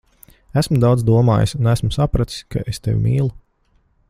Esmu daudz domājis, un esmu sapratis, ka es tevi mīlu.